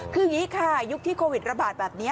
คืออย่างนี้ค่ะยุคที่โควิดระบาดแบบนี้